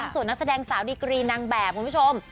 ส่วนนักแสดงสาวดีกรีนางแบบคุณผู้ชม